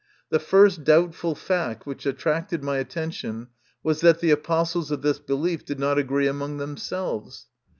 The first doubtful fact which attracted my attention was that the apostles of this belief did not agree among themselves.